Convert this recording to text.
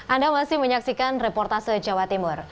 anda masih menyaksikan reportase jawa timur